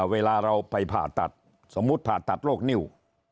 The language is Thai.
เวลาเราไปผ่าตัดสมมุติผ่าตัดโรคนิ้ว